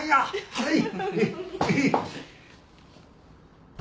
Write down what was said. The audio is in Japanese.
はい。